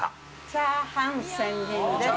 チャーハン仙人です。